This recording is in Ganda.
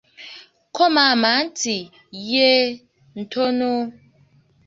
Ko maama nti, yeee ,ntono.